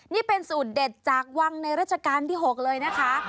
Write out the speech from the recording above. นี่เป็นสูตรเด็ดจากวังในราชการที่๖เลยนะคะ